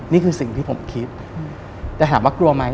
นี่คือสิ่งที่ผมคิดแต่ถามว่ากลัวไหม